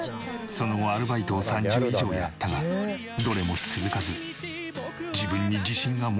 その後アルバイトを３０以上やったがどれも続かず自分に自信が持てなくなった。